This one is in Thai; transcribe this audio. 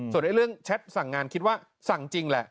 ส่วนเรื่องแชทสั่งงานคิดว่าสั่งจริงแหละ